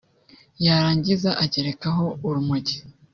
yarangiza agerekaho urumogi